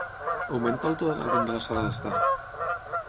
Augmenta el to de la llum de la sala d'estar.